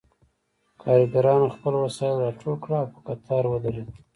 کارګرانو خپل وسایل راټول کړل او په قطار ودرېدل